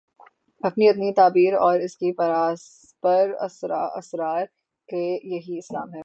اپنی اپنی تعبیر اور اس پر اصرار کہ یہی اسلام ہے۔